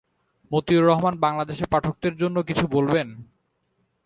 মতিউর রহমান বাংলাদেশের পাঠকদের জন্য কিছু বলবেন?